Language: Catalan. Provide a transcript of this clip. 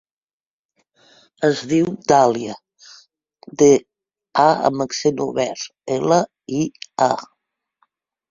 Es diu Dàlia: de, a amb accent obert, ela, i, a.